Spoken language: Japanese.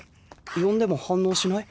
呼んでも反応しない？